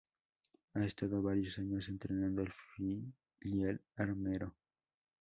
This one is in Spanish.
Ha estado varios años entrenando al filial armero.